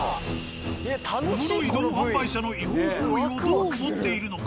桃の移動販売車の違法行為をどう思っているのか